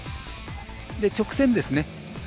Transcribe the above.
直線ですね。